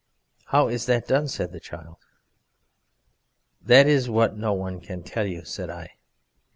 "How is that done?" said the child. "That is what no one can tell you," said I.